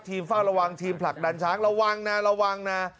เฝ้าระวังทีมผลักดันช้างระวังนะระวังนะ